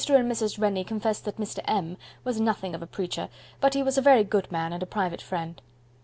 and Mrs. Rennie confessed that Mr. M was nothing of a preacher, but he was a very good man and a private friend.